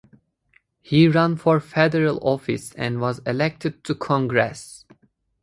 He ran for federal office and was elected to Congress.